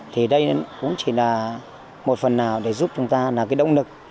thì đây cũng chỉ là một phần nào để giúp chúng ta là cái động lực